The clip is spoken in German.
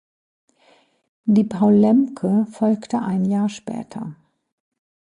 Die "Paul Lembke" folgte ein Jahr später.